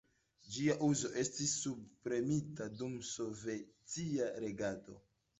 Ĝia uzo estis subpremita dum sovetia regado.